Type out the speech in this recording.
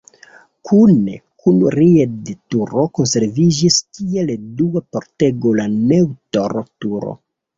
Kune kun Ried-turo konserviĝis kiel dua pordego la Neutor-turo.